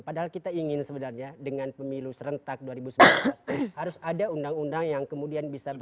padahal kita ingin sebenarnya dengan pemilu serentak dua ribu sembilan belas harus ada undang undang yang kemudian bisa berlaku